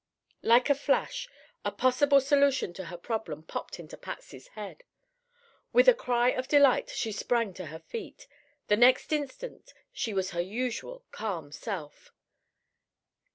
Like a flash, a possible solution to her problem popped into Patsy's head. With a cry of delight she sprang to her feet. The next instant she was her usual, calm self.